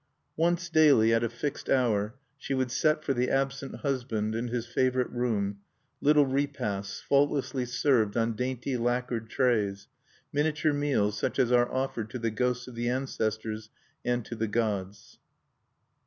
Once daily at a fixed hour, she would set for the absent husband, in his favorite room, little repasts faultlessly served on dainty lacquered trays, miniature meals such as are offered to the ghosts of the ancestors, and to the gods(1).